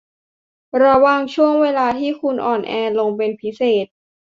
ระวังช่วงเวลาที่คุณอ่อนแอลงเป็นพิเศษ